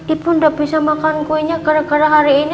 ibu gak bisa makan kuenya gara gara hari ini